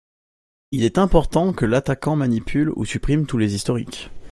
Il est important que l'attaquant manipule ou supprime tous les historiques.